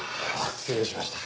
失礼しました。